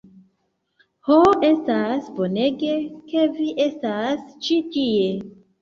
"Ho, estas bonege ke vi estas ĉi tie.